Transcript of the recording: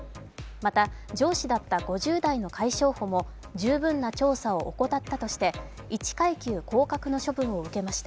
また、上司だった５０代の海将補も十分な調査を怠ったとして、１階級降格の処分を受けました。